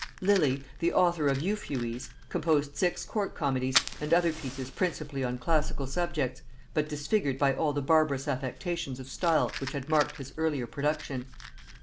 Lilly, the author of Euphues, composed six court comedies and other pieces principally on classical subjects, but disfigured by all the barbarous affectations of style which had marked his earlier production.